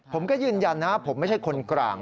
ผมก็ยืนยันนะผมไม่ใช่คนกลาง